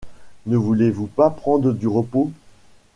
Ne voulez-vous pas prendre du repos ?...